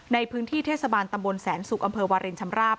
ในพื้นที่เทศบาลตำบลแสนสุกอำเภอวารินชำราบ